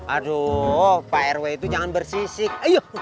aduh pak rw itu jangan bersisik